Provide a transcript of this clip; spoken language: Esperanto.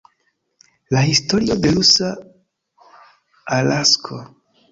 La historio de rusa Alasko.